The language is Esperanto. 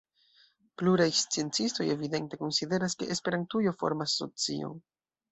Pluraj sciencistoj evidente konsideras, ke Esperantujo formas socion.